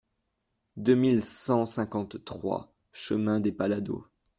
deux mille cent cinquante-trois chemin des Palladaux